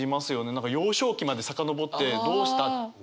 何か幼少期まで遡って「どうした？」ってなって。